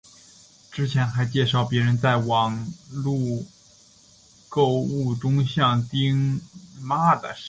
之前还介绍别人在网路购物中向丁买东西但别人也是付款后未收到东西或收到假货。